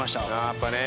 やっぱね